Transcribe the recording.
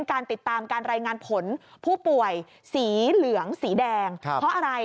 การติดตามการรายงานผลผู้ป่วยสีเหลืองสีแดงเพราะอะไร